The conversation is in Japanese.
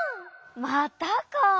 またか。